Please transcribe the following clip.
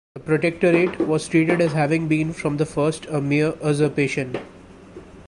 The Protectorate was treated as having been from the first a mere usurpation.